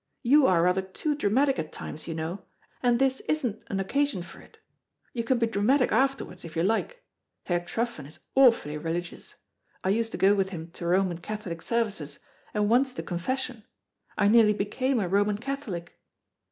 You are rather too dramatic at times, you know, and this isn't an occasion for it. You can be dramatic afterwards, if you like. Herr Truffen is awfully religious. I used to go with him to Roman Catholic services, and once to confession. I nearly became a Roman Catholic."